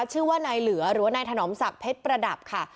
ชื่อว่านายเหลือหรือว่านายถนอมศักดิ์เพชรประดับค่ะ